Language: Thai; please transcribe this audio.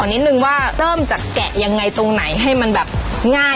แล้วก็หาง